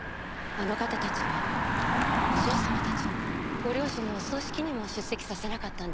あの方たちはお嬢様たちをご両親のお葬式にも出席させなかったんです。